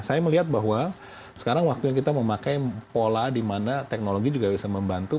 saya melihat bahwa sekarang waktunya kita memakai pola di mana teknologi juga bisa membantu